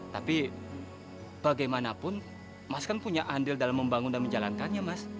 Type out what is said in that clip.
tapi bagaimanapun mas kan punya andil dalam membangun dan menjalankannya mas